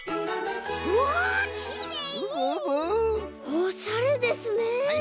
おしゃれですね。